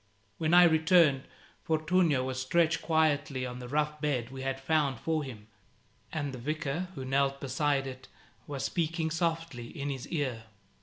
When I returned, Fortunio was stretched quietly on the rough bed we had found for him, and the Vicar, who knelt beside it, was speaking softly in his ear.